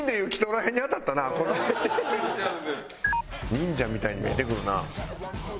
忍者みたいに見えてくるなあ。